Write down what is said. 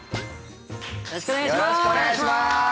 よろしくお願いします。